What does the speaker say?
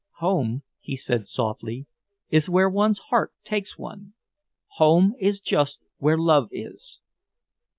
"Home," he said softly, "is where one's heart takes one. Home is just where love is."